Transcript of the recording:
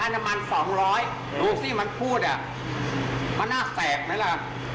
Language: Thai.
ดูสิมันพูดมันน่าแสบไหมล่ะ